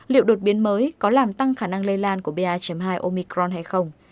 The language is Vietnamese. liệu đột biến mới có làm tăng khả năng lây lan của ba hai omicron hay không